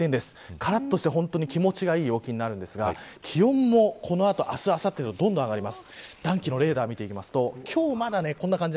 からっとして気持ちがいい陽気になりますが気温もこの後、明日、明後日とどんどん上がります